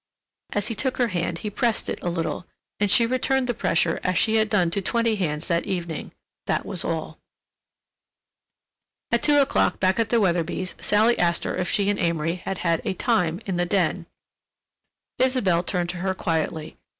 As he took her hand he pressed it a little, and she returned the pressure as she had done to twenty hands that evening—that was all. At two o'clock back at the Weatherbys' Sally asked her if she and Amory had had a "time" in the den. Isabelle turned to her quietly.